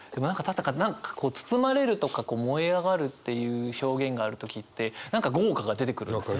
何かこう「包まれる」とか「燃え上がる」っていう表現がある時って何か「業火」が出てくるんですよね。